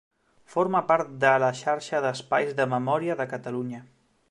Forma part de la Xarxa d'Espais de Memòria de Catalunya.